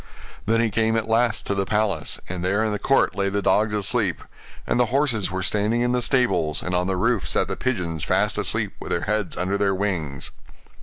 Then he came at last to the palace, and there in the court lay the dogs asleep; and the horses were standing in the stables; and on the roof sat the pigeons fast asleep, with their heads under their wings.